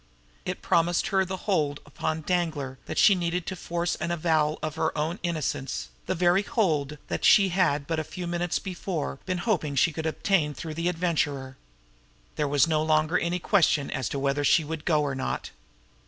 It promised her the hold upon Danglar that she needed to force an avowal of her own innocence, the very hold that she had but a few minutes before been hoping she could obtain through the Adventurer. There was no longer any question as to whether she would go or not.